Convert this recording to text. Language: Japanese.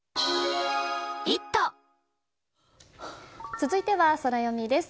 続いてはソラよみです。